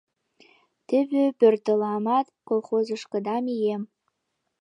— Теве пӧртыламат, колхозышкыда мием.